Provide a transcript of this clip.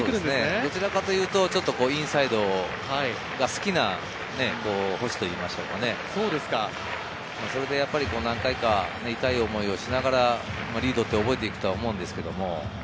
どちらかというとインサイドが好きな投手といいますか、それで何回か痛い思いをしながら、リードを覚えていくと思います。